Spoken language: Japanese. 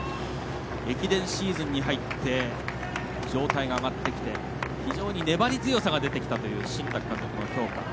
駅伝シーズンに入って状態が上がってきて非常に粘り強さが出てきたという新宅監督の評価。